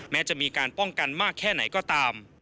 แม้จะมีการป้องกันมากแค่ไหนก็ตาม